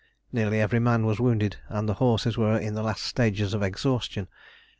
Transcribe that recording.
Nearly every man was wounded, and the horses were in the last stages of exhaustion.